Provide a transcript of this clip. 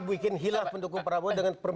mari kita selesaikan